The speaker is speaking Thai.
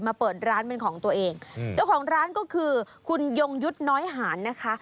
เปิดร้านเป็นของตัวเองเจ้าของร้านก็คือคุณยงยุทธ์น้อยหานนะคะ